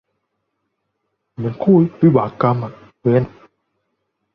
เหมือนคู่วิบากกรรมเวร